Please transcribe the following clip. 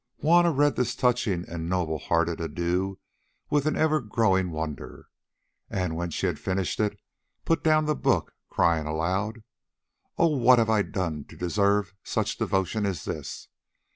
Juanna read this touching and noble hearted adieu with an ever growing wonder, and when she had finished it, put down the book crying aloud, "Oh! what have I done to deserve such devotion as this?"